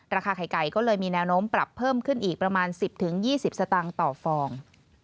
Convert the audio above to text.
ราคาไข่ไก่ก็เลยมีแนวโน้มปรับเพิ่มขึ้นอีกประมาณ๑๐๒๐สตางค์ต่อฟอง